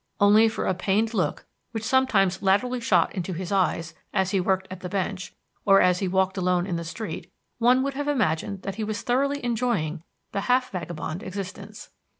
Only for a pained look which sometimes latterly shot into his eyes, as he worked at the bench, or as he walked alone in the street, one would have imagined that he was thoroughly enjoying the half vagabond existence.